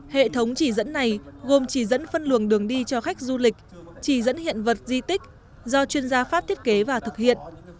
hệ thống chỉ dẫn này gồm chỉ dẫn phân luồng đường đi cho khách du lịch chỉ dẫn hiện vật di tích do chuyên gia pháp thiết kế và thực hiện